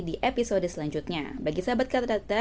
di episode selanjutnya bagi sahabat kata data